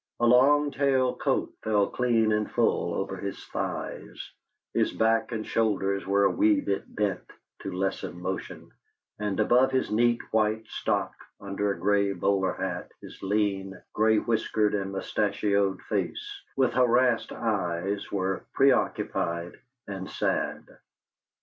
A long tailed coat fell clean and full over his thighs; his back and shoulders were a wee bit bent to lessen motion, and above his neat white stock under a grey bowler hat his lean, grey whiskered and moustachioed face, with harassed eyes, was preoccupied and sad.